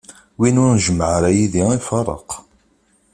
Win ur njemmeɛ ara yid-i, iferreq.